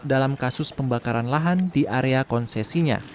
dalam kasus pembakaran lahan di area konsesinya